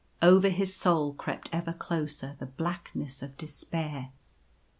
Over his soul crept ever closer the blackness of de spair.